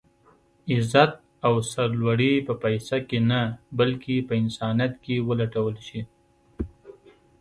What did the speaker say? عزت او سر لوړي په پيسه کې نه بلکې په انسانيت کې ولټول شي.